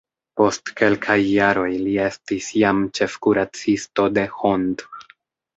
Post kelkaj jaroj li estis jam ĉefkuracisto de Hont.